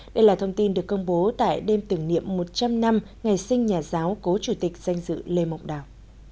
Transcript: đây là thông tin được công bố tại đêm tưởng niệm một trăm linh năm ngày sinh nhà giáo cố chủ tịch danh dự lê mộng đảo